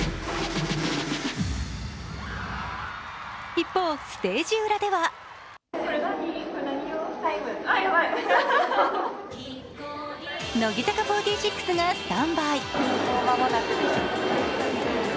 一方、ステージ裏では乃木坂４６がスタンバイ。